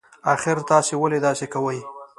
اخر تاسي ولې داسی کوئ